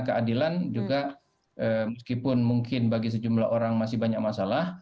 karena keadilan juga meskipun mungkin bagi sejumlah orang masih banyak masalah